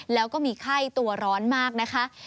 แล้วก็มีไข้ตัวร้อนมากนะคะ